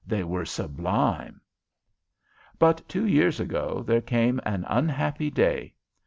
They were sublime.' "But two years ago there came an unhappy day.